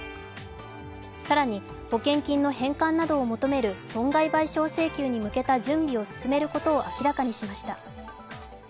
更に、保険金の返還などを求める損害賠償請求に向けた準備を進めることを明らかにしました。